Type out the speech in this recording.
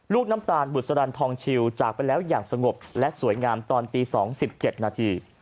ลูกน้ำตาลบุษรันทองชิวจากไปแล้วอย่างสงบและสวยงามตอนตี๒๗นาที